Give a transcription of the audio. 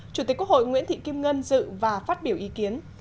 chủ tịch quốc hội nguyễn thị kim ngân dự và phát biểu ý kiến